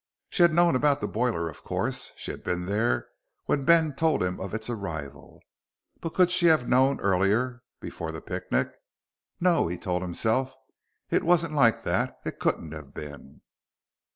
She had known about the boiler, of course; she had been there when Ben told him of its arrival. But could she have known earlier before the picnic? No, he told himself, _it wasn't like that. It couldn't have been....